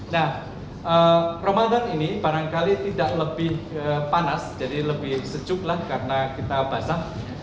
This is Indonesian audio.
nah ramadan ini barangkali tidak lebih panas jadi lebih sejuk lah karena kita basah